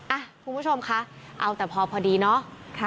คุณผู้ชมคะเอาแต่พอดีเนาะ